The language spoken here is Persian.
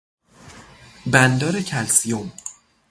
بندار کلسیم